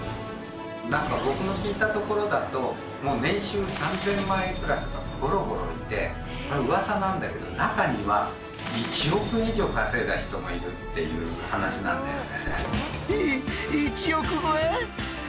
何か僕の聞いたところだと年収３，０００万円クラスがゴロゴロいてうわさなんだけど中には１億円以上稼いだ人もいるっていう話なんだよね。